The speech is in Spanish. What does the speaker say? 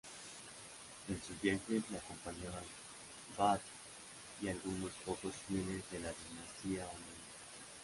En sus viajes le acompañaban Badr y algunos pocos fieles de la dinastía omeya.